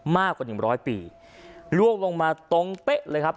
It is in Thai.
มากกว่าหนึ่งร้อยปีลวกลงมาตรงเป๊ะเลยครับ